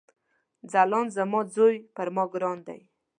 ځلاند زما ځوي پر ما ګران دی